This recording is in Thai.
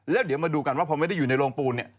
แล้วเดี๋ยวมาดูกันว่าพอไม่ได้อยู่ในโรงปูนเนี่ย